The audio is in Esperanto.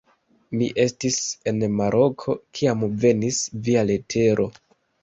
Mi estis en Maroko, kiam venis via letero.